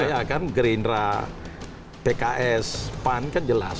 iya kan gerindra pks pan kan jelas